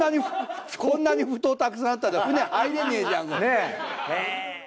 こんなに埠頭たくさんあったら船入れねえじゃん。